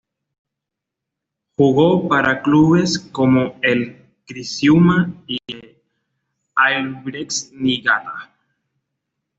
Jugó para clubes como el Criciúma y Albirex Niigata.